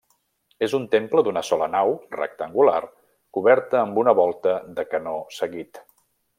És un temple d'una sola nau rectangular, coberta amb volta de canó seguit.